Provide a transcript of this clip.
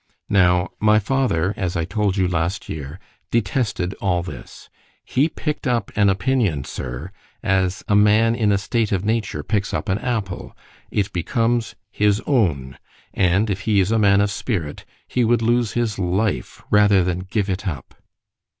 Now, my father, as I told you last year, detested all this—He pick'd up an opinion, Sir, as a man in a state of nature picks up an apple.—It becomes his own—and if he is a man of spirit, he would lose his life rather than give it up.